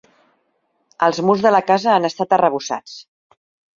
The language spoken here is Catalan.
Els murs de la casa han estat arrebossats.